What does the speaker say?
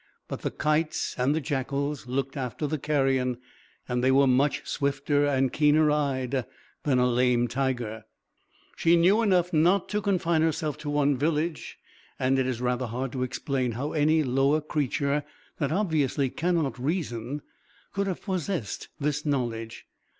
But the kites and the jackals looked after the carrion; and they were much swifter and keener eyed than a lame tiger. She knew enough not to confine herself to one village; and it is rather hard to explain how any lower creature, that obviously cannot reason, could have possessed this knowledge.